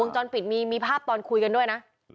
จรปิดมีภาพตอนคุยกันด้วยนะ